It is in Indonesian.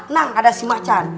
nang ada simacan